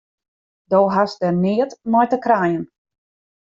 Do hast der neat mei te krijen!